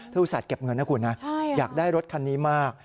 อุตส่าห์เก็บเงินนะคุณนะอยากได้รถคันนี้มาก